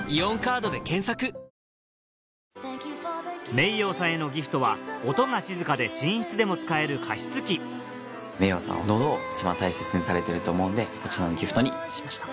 ｍｅｉｙｏさんへのギフトは音が静かで寝室でも使える加湿器ｍｅｉｙｏさんは喉を一番大切にされてると思うのでこちらのギフトにしました。